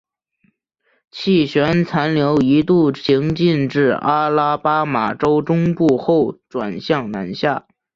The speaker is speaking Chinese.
气旋残留一度行进至阿拉巴马州中部后转向南下。